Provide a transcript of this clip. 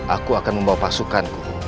aku akan membawa pasukanku